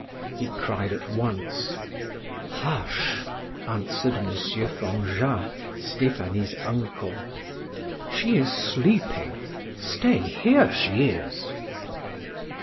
he cried at once. "Hush!" answered M. Fanjat, Stephanie's uncle. "She is sleeping. Stay; here she is."